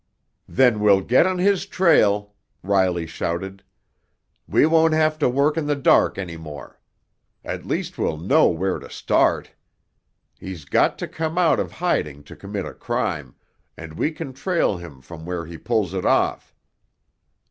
"Then we'll get on his trail!" Riley shouted. "We won't have to work in the dark any more. At least we'll know where to start. He's got to come out of hiding to commit a crime, and we can trail him from where he pulls it off!"